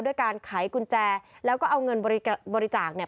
ด้วยการไขกุญแจแล้วก็เอาเงินบริจาคเนี่ย